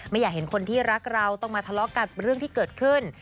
ไม่อยากเห็นคนที่รักเราต้องมาทะเลาะกับเรื่องที่เกิดขึ้น